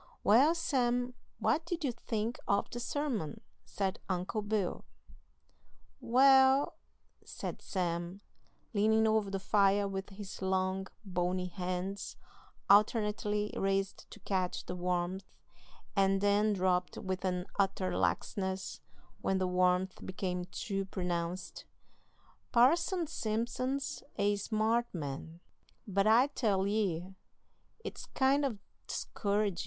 "Well, Sam, what did you think of the sermon?" said Uncle Bill. "Well," said Sam, leaning over the fire with his long, bony hands alternately raised to catch the warmth, and then dropped with an utter laxness when the warmth became too pronounced, "Parson Simpson's a smart man; but I tell ye, it's kind o' discouragin'.